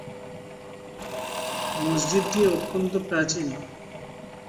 মসজিদটি অত্যন্ত প্রাচীন।